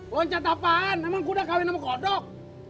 loncat apaan emang kudanya udah kahwin sama kodok